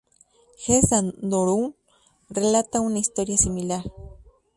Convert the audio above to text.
Gesta Danorum relata una historia similar.